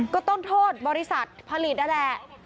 ก็ต้องโทษบริษัทผลิตนั่นแหละ